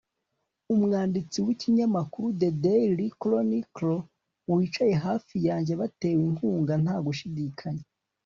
umwanditsi w'ikinyamakuru the daily chronicle, wicaye hafi yanjye. batewe inkunga, nta gushidikanya